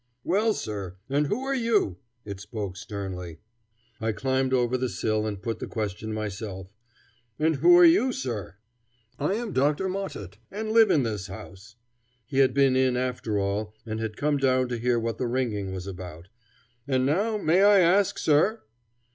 "Well, sir! and who are you?" it spoke sternly. I climbed over the sill and put the question myself: "And who are you, sir?" "I am Dr. Mottet, and live in this house." He had been in after all and had come down to hear what the ringing was about. "And now may I ask, sir